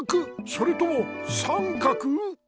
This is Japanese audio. それともさんかく？